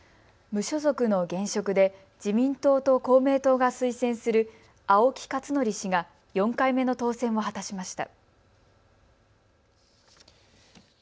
無所属の現職で自民党と公明党が推薦する青木克徳氏が４回目の当選を果たしました。